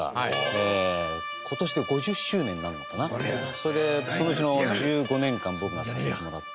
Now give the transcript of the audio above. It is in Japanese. それでそのうちの１５年間僕がさせてもらって。